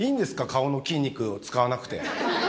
顔の筋肉を使わなくて。